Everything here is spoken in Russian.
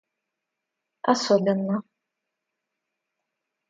особенно